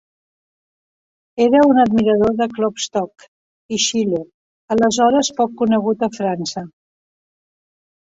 Era un admirador de Klopstock i Schiller, aleshores poc conegut a França.